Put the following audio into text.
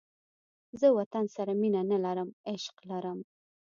زه وطن سره مینه نه لرم، عشق لرم